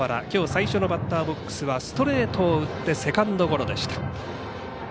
きょう最初のバッターボックスはストレートを打ってセカンドゴロでした。